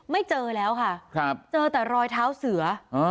ไม่เจอแล้วค่ะเจอแต่รอยเท้าเสือ